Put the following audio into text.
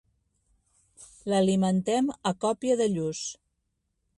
L'alimentem a còpia de lluç.